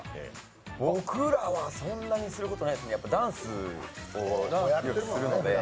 僕らはそんなにすることないですね、ダンスするので。